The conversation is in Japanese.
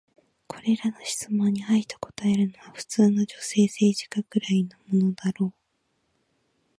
これらの質問に「はい」と答えるのは、普通の女性政治家くらいのものだろう。